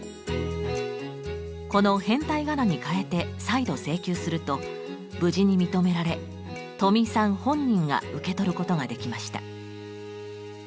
この変体仮名に変えて再度請求をすると無事に認められとみいさん本人が受け取ることができました。